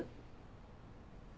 えっ？